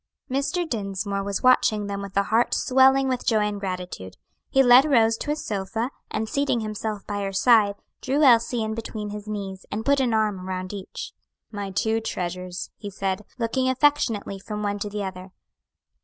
Mr. Dinsmore was watching them with a heart swelling with joy and gratitude. He led Rose to a sofa, and seating himself by her side, drew Elsie in between his knees, and put an arm round each. "My two treasures," he said, looking affectionately from one to the other.